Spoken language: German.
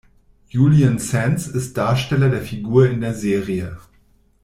Julian Sands ist Darsteller der Figur in der Serie.